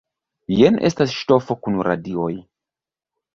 Jen estas ŝtofo kun radioj!